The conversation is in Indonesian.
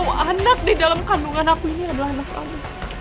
anak di dalam kandungan aku ini adalah anak kami